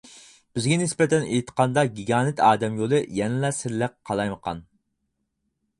بىزگە نىسبەتەن ئېيتقاندا گىگانت ئادەم يولى يەنىلا سىرلىق قالايمىقان.